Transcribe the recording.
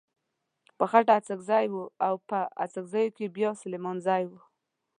په خټه اڅکزی و او په اڅګزو کې بيا سليمانزی و.